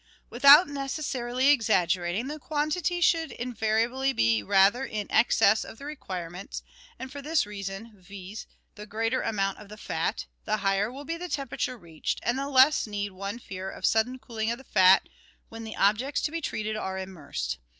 Without necessarily exaggerating, the quantity should in variably be rather in excess of the requirements, and for this reason, viz., the greater the amount of fat, the higher will be the temperature reached, and the less need one fear a sudden cooling of the fat when the objects to be treated are immersed.